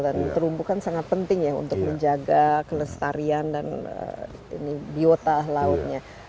dan terumbu kan sangat penting ya untuk menjaga kelestarian dan biota lautnya